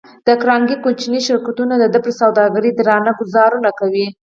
د کارنګي کوچني شرکتونه د ده پر سوداګرۍ درانه ګوزارونه کوي.